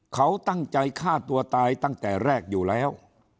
เขาตั้งใจฆ่าตัวตายตั้งแต่แรกอยู่แล้ว